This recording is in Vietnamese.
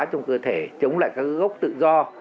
trong cơ thể chống lại các gốc tự do